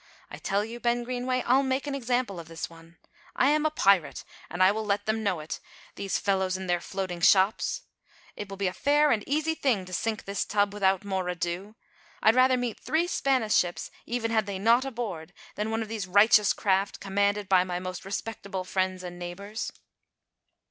I tell you, Ben Greenway, I'll make an example of this one. I am a pirate, and I will let them know it these fellows in their floating shops. It will be a fair and easy thing to sink this tub without more ado. I'd rather meet three Spanish ships, even had they naught aboard, than one of these righteous craft commanded by my most respectable friends and neighbours."